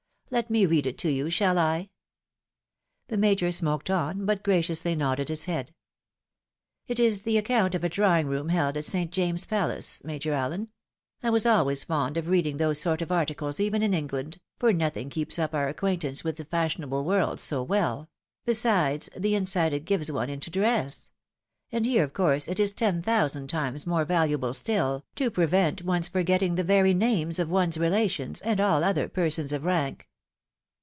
Let me read it to you, shall I ?" FAMILY CONNECTIONS. 21 The Major smoked on, but graciously nodded his head. " It is the account of a drawing room held at St. James's Palace, Major Allen — I was always fond of reading those sort of articles even in England, for nothing keeps up our acquaint ance with the fashionable world so well — besides the insight it gives one into dress ; and here of course it is ten thousand times more valuable stOl, to prevent one's forgetting the very names of one's relations, and aU other persons of rank."